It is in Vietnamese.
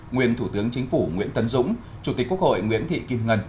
nguyên thủ tướng chính phủ nguyễn tấn dũng chủ tịch quốc hội nguyễn thị kim ngân